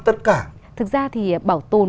tất cả thực ra thì bảo tồn